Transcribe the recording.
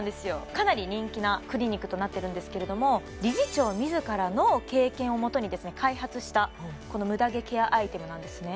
かなり人気なクリニックとなってるんですけれども理事長自らの経験をもとに開発したこのムダ毛ケアアイテムなんですね